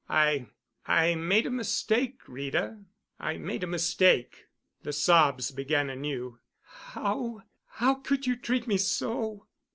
"I—I made a mistake, Rita. I made a mistake." The sobs began anew. "How—how could you—treat me so?"